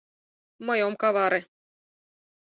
— Мый ом каваре.